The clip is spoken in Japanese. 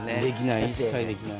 一切できない。